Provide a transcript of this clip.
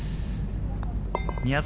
宮崎